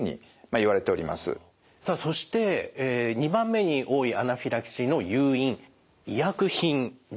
２番目に多いアナフィラキシーの誘因医薬品ですね。